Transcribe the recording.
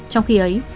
trong khi ấy